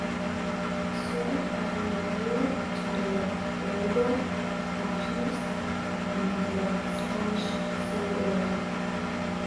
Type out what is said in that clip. It served as memorial to the Rebel (Francoist) faction in the Spanish Civil War.